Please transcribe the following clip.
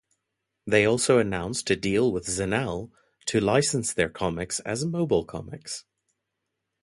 They also announced a deal with Zannel to license their comics as mobile comics.